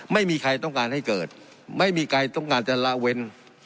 ไม่มีใครต้องการให้เกิดไม่มีใครต้องการจะละเว้น